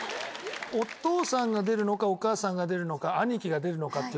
お父さんが出るのかお母さんが出るのか兄貴が出るのかって。